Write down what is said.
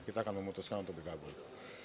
kita akan memutuskan untuk bergabung